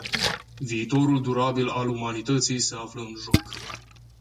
Viitorul durabil al umanității se află în joc.